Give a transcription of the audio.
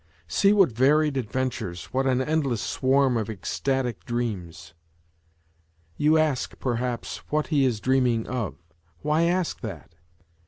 See what varied adventures, what an endless swarm of ecstatic dreams. You ask, perhaps, what he is dreaming of. Why ask that